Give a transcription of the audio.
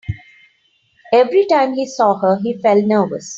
Every time he saw her, he felt nervous.